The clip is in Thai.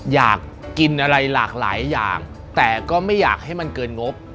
อยากกินอะไรหลากหลายอย่างแต่ก็ไม่อยากให้มันเกินงบ